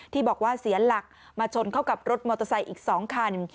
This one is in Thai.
ที่บอกว่าเสียหลักมาชนเข้ากับรถมอเตอร์ไซค์อีก๒คัน